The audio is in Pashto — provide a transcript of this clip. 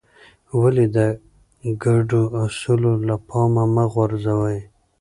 ولې د ګډو اصولو له پامه مه غورځوې؟